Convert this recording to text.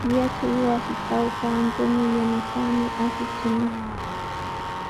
Yachaywasitrawqa Antonio yanasaami asichimaq.